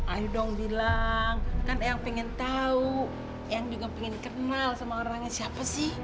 ayo dong bilang kan yang pengen tahu yang juga pengen kenal sama orangnya siapa sih